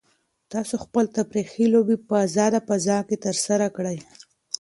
تاسو خپلې تفریحي لوبې په ازاده فضا کې ترسره کړئ.